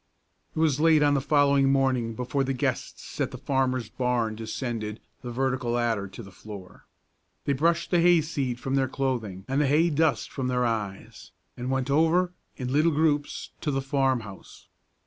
It was late on the following morning before the guests at the farmer's barn descended the vertical ladder to the floor. They brushed the hay seed from their clothing and the hay dust from their eyes, and went over, in little groups, to the farm house.